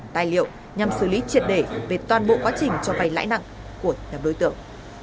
tài liệu nhằm xử lý triệt đề về toàn bộ quá trình cho vay lãi nặng của nhóm đối tượng